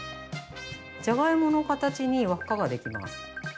じゃがいもの形に輪っかができます。